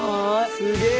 すげえ！